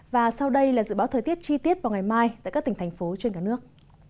và sau đây là dự báo thời tiết chi tiết vào ngày mai tại các tỉnh thành phố trên cả nước